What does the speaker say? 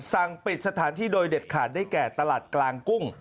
สั่งปิดสถานที่โดยเด็ดขาดได้แก่ตลาดกลางกุ้ง